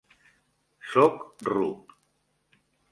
Sóc ruc.